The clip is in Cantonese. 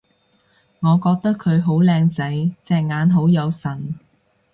我覺得佢好靚仔！隻眼好有神